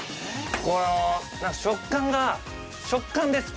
この食感が食感です